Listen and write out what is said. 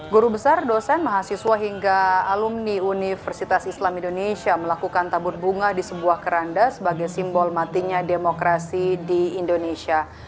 guru besar dosen mahasiswa hingga alumni universitas islam indonesia melakukan tabur bunga di sebuah keranda sebagai simbol matinya demokrasi di indonesia